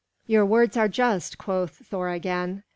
"Your words are just," quoth Thor again.